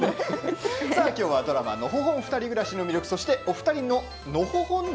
きょうはドラマ「のほほんふたり暮らし」の魅力そしてお二人の「のほほん！？」な